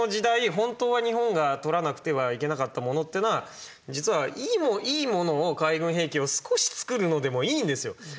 本当は日本が取らなくてはいけなかったものっていうのは実はいいものを海軍兵器を少し作るのでもいいんですよ。